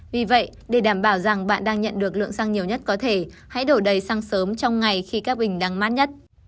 vì vậy để đảm bảo rằng bạn đang nhận được lượng xăng nhiều nhất có thể hãy đổ đầy xăng sớm trong ngày khi các bình đang mát nhất